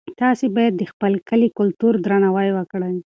تاسي باید د خپل کلي کلتور ته درناوی وکړئ.